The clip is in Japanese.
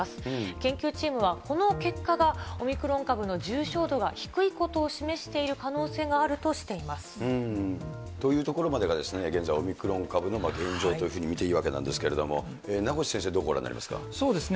研究チームはこの結果が、オミクロン株の重症度が低いことを示している可能性があるとしてというところまでが、現在、オミクロン株の現状というふうに見ていいわけなんですけれども、そうですね。